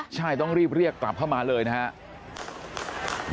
ใช่ต้องรีบเรียกกลับเข้ามาเลยนะครับ